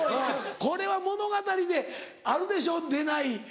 これは物語であるでしょ出ない。